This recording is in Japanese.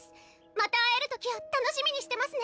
また会えるときを楽しみにしてますね